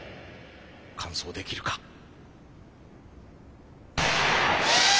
完走できるか。いった！